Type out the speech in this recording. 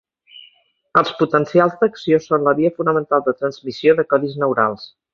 Els potencials d'acció són la via fonamental de transmissió de codis neurals.